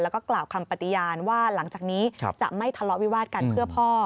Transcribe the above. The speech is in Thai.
แล้วก็กล่าวคำปฏิญาณว่าหลังจากนี้จะไม่ทะเลาะวิวาดกันเพื่อพ่อ